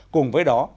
cùng với đó